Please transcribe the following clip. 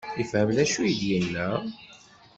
Yefhem d acu i d-yenna?